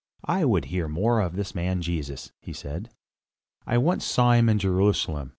"I would hear more of this man Jesus," he said. "I once saw him in Jerusalem.